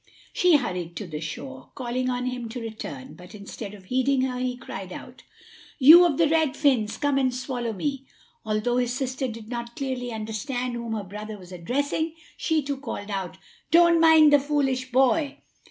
She hurried to the shore, calling on him to return; but instead of heeding her, he cried out: "You of the red fins, come and swallow me!" Although his sister did not clearly understand whom her brother was addressing, she too called out: "Don't mind the foolish boy!"